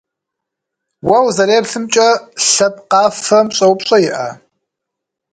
Уэ узэреплъымкӏэ, лъэпкъ къафэм щӀэупщӀэ иӀэ?